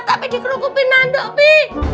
tapi di kerukupin ando pi